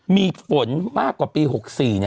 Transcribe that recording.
มีฝนมากกว่าปี๖๔เนี่ย